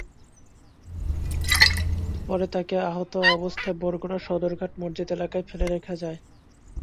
পরে তাঁকে আহত অবস্থায় বরগুনা সদরঘাট মসজিদ এলাকায় ফেলে রেখে যায়।